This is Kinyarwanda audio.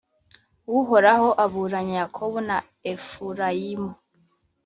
Uhoraho aburanya Yakobo na Efurayimu